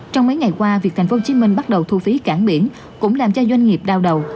trong mấy ngày qua việc thành phố hồ chí minh bắt đầu thu phí cảng biển cũng làm cho doanh nghiệp đau đầu